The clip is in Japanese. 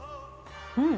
うん。